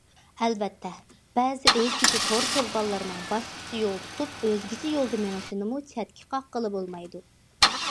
ئەلۋەتتە، بەزى ئۆزگىچە تور چولپانلىرىنىڭ باشقىچە يول تۇتۇپ، ئۆزگىچە يولدا مېڭىشىنىمۇ چەتكە قاققىلى بولمايدۇ.